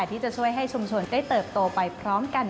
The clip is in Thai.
ที่จะช่วยให้ชุมชนได้เติบโตไปพร้อมกัน